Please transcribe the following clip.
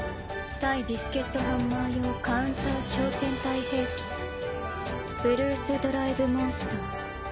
対ビスケットハンマー用カウンター小天体兵器ブルース・ドライブ・モンスター。